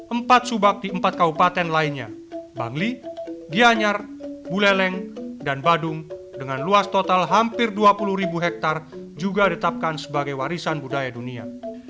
empat subak di empat kabupaten lainnya bangli gianyar buleleng dan badung dengan luas total hampir dua puluh ribu hektare juga ditetapkan sebagai warisan budaya dunia